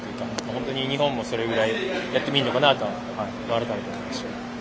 本当に日本もそれぐらいやってもいいのかなとは改めて思いました。